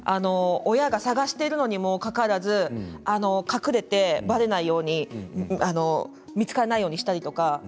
親が探しているにもかかわらず隠れてばれないように見つからないようにしたりとか。